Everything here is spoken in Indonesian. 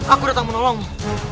aku datang menolongmu